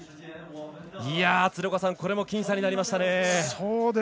これも僅差になりましたね。